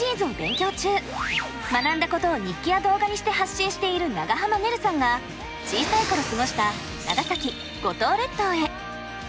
学んだことを日記や動画にして発信している長濱ねるさんが小さい頃過ごした長崎・五島列島へ。